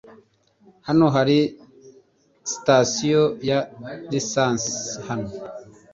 Hano hari sitasiyo ya lisansi hano?